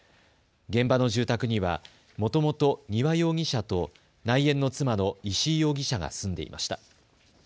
現場の住宅にはもともと丹羽容疑者と内縁の妻の石井容疑者が住んでいました。